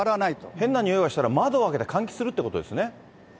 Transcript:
変な臭いがしたら、窓を開けて換気するということですね。